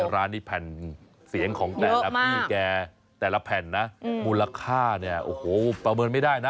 ร้านนี้แผ่นเสียงของแต่ละพี่แกแต่ละแผ่นนะมูลค่าเนี่ยโอ้โหประเมินไม่ได้นะ